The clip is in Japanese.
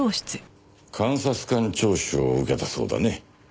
監察官聴取を受けたそうだね？